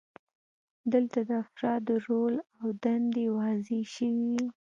دلته د افرادو رول او دندې واضحې شوې وي.